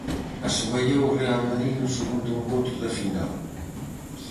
Asoballou o Real Madrid no segundo encontro da final.